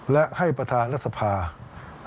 และให้ประธานรัฐสภา